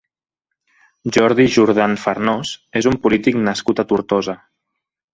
Jordi Jordan Farnós és un polític nascut a Tortosa.